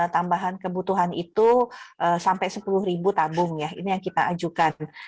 tambahan kebutuhan itu sampai sepuluh ribu tabung ya ini yang kita ajukan